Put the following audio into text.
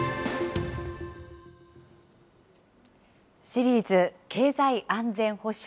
シリーズ経済安全保障